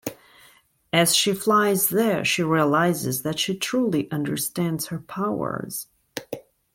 As she flies there, she realizes that she truly understands her powers.